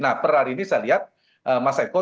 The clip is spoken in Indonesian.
nah per hari ini saya lihat mas eko